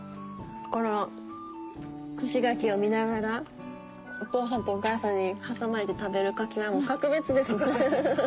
この串柿を見ながらお父さんとお母さんに挟まれて食べる柿は格別です。